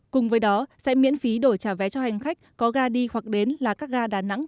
cùng với đó sẽ miễn phí đổi trả vé cho hành khách có ga đi hoặc đến là các ga đà nẵng